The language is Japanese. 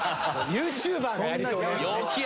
ＹｏｕＴｕｂｅｒがやりそうなやつね。